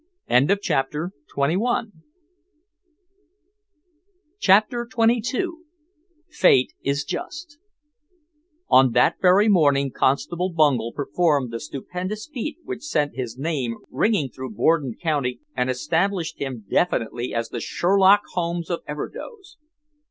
CHAPTER XXII FATE IS JUST On that very morning Constable Bungel performed the stupendous feat which sent his name ringing through Borden County and established him definitely as the Sherlock Holmes of Everdoze.